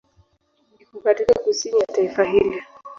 Iko katika kusini ya taifa hili.